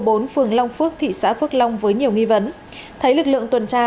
phường long phước thị xã phước long với nhiều nghi vấn thấy lực lượng tuần tra